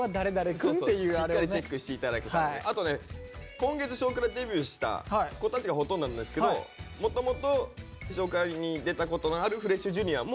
今月「少クラ」デビューした子たちがほとんどなんですけどもともと「少クラ」に出たことのあるフレッシュＪｒ．も。